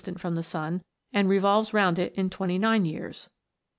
tant from the sun, and revolves round it in 29 years.